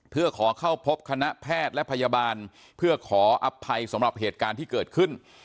เพื่อขอเข้าพบคณะแพทย์และพยาบาลเพื่อขออภัยสำหรับเหตุการณ์ที่เกิดขึ้น